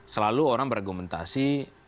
selalu orang berargumentasi